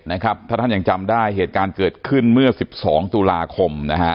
นะครับถ้าท่านยังจำได้เหตุการณ์เกิดขึ้นเมื่อ๑๒ตุลาคมนะฮะ